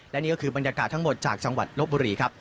และนี่ก็คือบรรยากาศทั้งหมดจากจังหวัดลบบุรีครับ